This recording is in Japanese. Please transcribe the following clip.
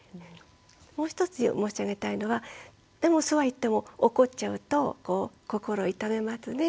もう一つ申し上げたいのはでもそうは言っても怒っちゃうと心痛めますね。